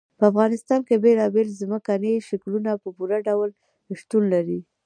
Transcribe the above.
په افغانستان کې بېلابېل ځمکني شکلونه په پوره ډول شتون لري.